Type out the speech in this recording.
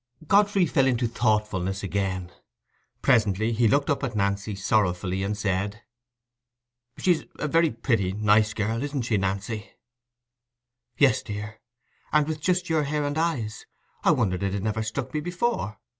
Godfrey fell into thoughtfulness again. Presently he looked up at Nancy sorrowfully, and said— "She's a very pretty, nice girl, isn't she, Nancy?" "Yes, dear; and with just your hair and eyes: I wondered it had never struck me before."